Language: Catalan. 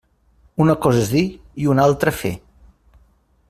Una cosa és dir i una altra fer.